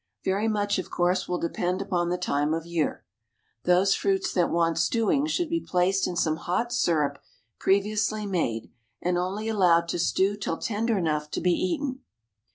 Very much, of course, will depend upon the time of year. Those fruits that want stewing should be placed in some hot syrup previously made, and only allowed to stew till tender enough to be eaten.